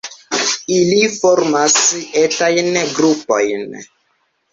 Ili formas etajn grupojn.